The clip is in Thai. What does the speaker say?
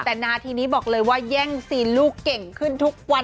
แต่นาทีนี้บอกเลยว่าแย่งซีนลูกเก่งขึ้นทุกวัน